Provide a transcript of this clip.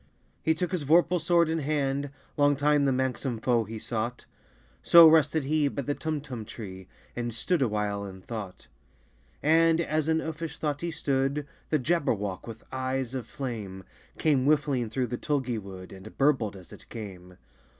He took his vorpal sword in hand: Long time the manxome foe he sought So rested he by the Tumtum tree, And stood awhile in thought. And, as in uffish thought he stood, The Jabberwock, with eyes of flame, Came whiffling through the tulgey wood, And burbled as it came!